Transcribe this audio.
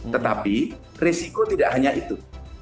tetapi resiko tidak hanya itu